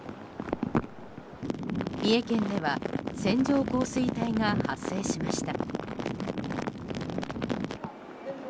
三重県では線状降水帯が発生しました。